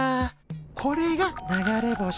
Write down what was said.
これが流れ星。